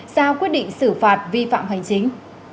sao quyết định xử phạt vi phạm hành chính